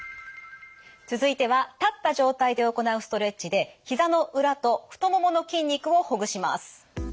続いては立った状態で行うストレッチでひざの裏と太ももの筋肉をほぐします。